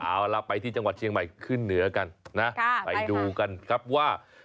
เอาล่ะไปที่จังหวัดเชียงใหม่ขึ้นเหนือกันนะไปดูกันครับว่า